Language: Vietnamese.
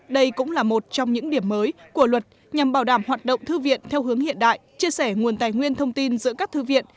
đây cũng là một trong những điểm mới của luật nhằm bảo đảm hoạt động thư viện theo hướng hiện đại chia sẻ nguồn tài nguyên thông tin giữa các thư viện